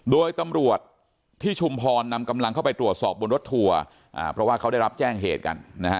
โดยตำรวจที่ชุมพรนำกำลังเข้าไปตรวจสอบบนรถทัวร์เพราะว่าเขาได้รับแจ้งเหตุกันนะฮะ